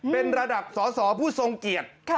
เป็นระดับสอสอผู้ทรงเกียรติ